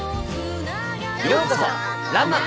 「ようこそ！らんまん」。